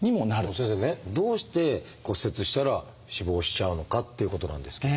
先生ねどうして骨折したら死亡しちゃうのかっていうことなんですけれど。